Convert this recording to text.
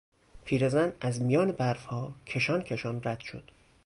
پیرزن از میان برفها کشان کشان رد شد.